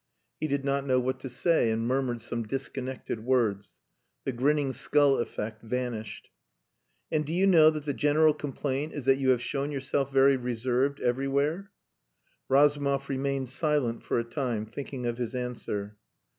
He did not know what to say, and murmured some disconnected words. The grinning skull effect vanished. "And do you know that the general complaint is that you have shown yourself very reserved everywhere?" Razumov remained silent for a time, thinking of his answer.